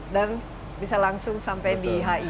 dan bisa langsung sampai di hi